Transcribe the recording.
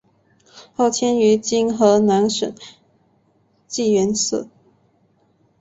后迁于今河南省济源市。